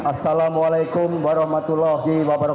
assalamualaikum warahmatullahi wabarakatuh